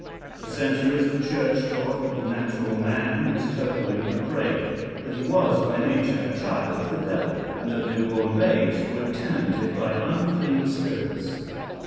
For centuries the church taught that the natural man was totally depraved; that he was by nature a child of the Devil, and that new born babes were tenanted by unclean spirits.